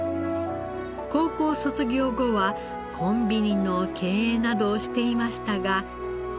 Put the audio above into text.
高校卒業後はコンビニの経営などをしていましたが。